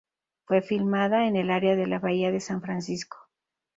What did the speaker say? Fue filmada en el área de la Bahía de San Francisco.